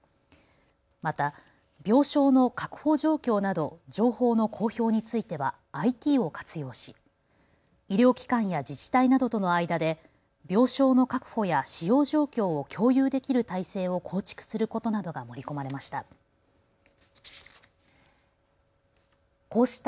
また病床の確保状況など情報の公表についてはＩＴを活用し医療機関や自治体などとの間で病床の確保や使用状況を共有できる体制を構築することなどが盛り込まれました。